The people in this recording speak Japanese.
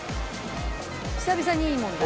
久々にいい問題。